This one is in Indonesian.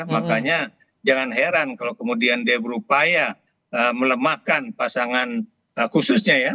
makanya jangan heran kalau kemudian dia berupaya melemahkan pasangan khususnya ya